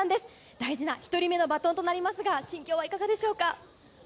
大事な１人目のバトンとなりますが、心境はいかがでしょうか。